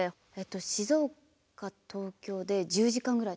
静岡東京で１０時間ぐらい。